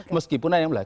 meskipun ada yang bilang